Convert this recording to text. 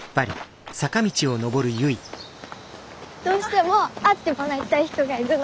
どうしても会ってもらいたい人がいるの。